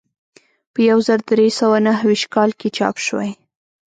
په یو زر درې سوه نهه ویشت کال کې چاپ شوی.